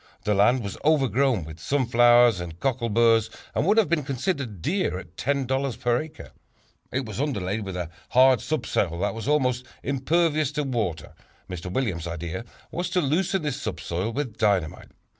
The land was overgrown with sunflowers and cockleburs and would have been considered dear at $10 per acre. It was underlaid with a hard subsoil that was almost impervious to water. Mr. Williams' idea was to loosen this subsoil with dynamite.